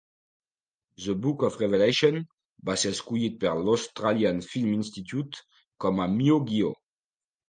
"The Book of Revelation" va ser escollit per l"Australian Film Institute com a millor guió.